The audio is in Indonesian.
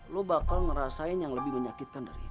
lo bakal ngerasain yang lebih menyakitkan dari itu